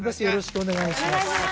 よろしくお願いします